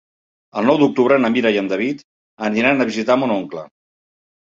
El nou d'octubre na Mira i en David aniran a visitar mon oncle.